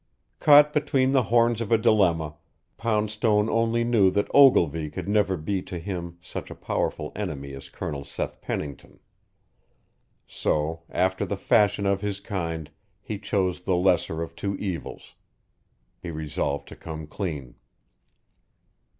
Caught between the horns of a dilemma, Poundstone only knew that Ogilvy could never be to him such a powerful enemy as Colonel Seth Pennington; so, after the fashion of his kind, he chose the lesser of two evils. He resolved to "come clean."